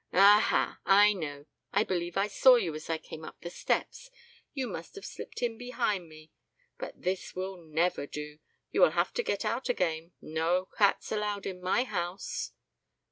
Aha! I know. I believe I saw you as I came up the steps. You must have slipped in behind me. But this will never do; you will have to get out again. No cats allowed in my house."